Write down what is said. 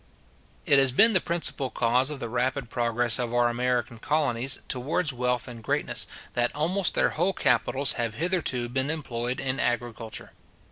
It has been the principal cause of the rapid progress of our American colonies towards wealth and greatness, that almost their whole capitals have hitherto been employed in agriculture.